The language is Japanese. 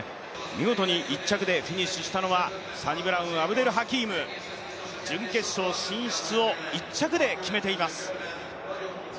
見事に１着でフィニッシュしたのはサニブラウン・アブデルハキーム、準決勝進出を１着で決めています。